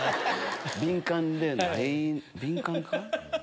敏感でない敏感か？